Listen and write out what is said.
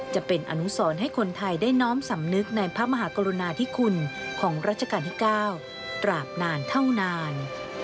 จะเป็นอนุสรให้คนไทยได้น้อมสำนึกในพระมหากรุณาธิคุณของรัชกาลที่๙ตราบนานเท่านาน